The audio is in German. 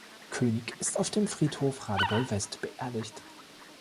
König ist auf dem Friedhof Radebeul-West beerdigt.